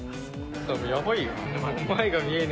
やばいよな。